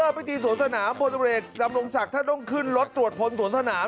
พอเริ่มไปจีนสวนสนามบนตำรงศักดิ์ถ้าต้องขึ้นรถตรวจพนศ์สวนสนาม